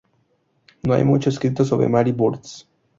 No hay mucho escrito sobre Mary Burns.